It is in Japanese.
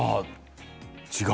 違う。